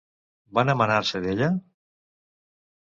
Van emanar-se d'ella?